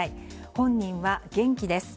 本人は元気です。